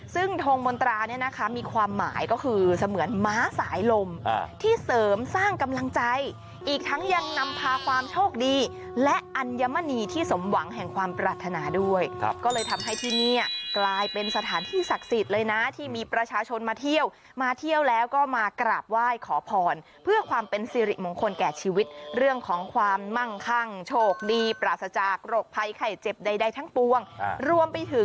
สายลมอ่าที่เสริมสร้างกำลังใจอีกทั้งยังนำพาความโชคดีและอันยมณีที่สมหวังแห่งความปรารถนาด้วยครับก็เลยทำให้ที่เนี่ยกลายเป็นสถานที่ศักดิ์สิทธิ์เลยน่ะที่มีประชาชนมาเที่ยวมาเที่ยวแล้วก็มากราบไหว้ขอพรเพื่อคว